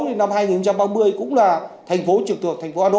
năm hai nghìn ba mươi cũng là thành phố trực thuộc thành phố hồ an độ